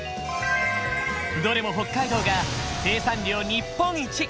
どれも北海道が生産量日本一！